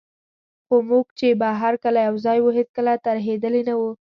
خو موږ چي به هر کله یوځای وو، هیڅکله ترهېدلي نه وو.